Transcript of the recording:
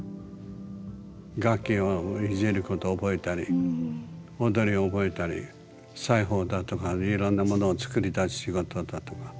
楽器をいじること覚えたり踊りを覚えたり裁縫だとかいろんな物を作り出す仕事だとか。